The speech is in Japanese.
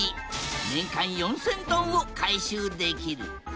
年間４，０００トンを回収できる。